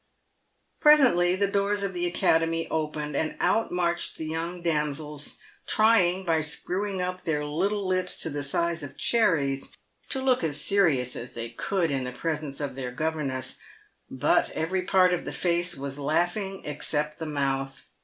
Presently the doors of the academy opened, and out marched the young damsels, trying, by screwing up their little lips to the size of cherries, to look as serious as they could in the presence of their gover ness, but every part of the face was laughing except the mouth.